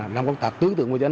làm các tác tư tưởng với dân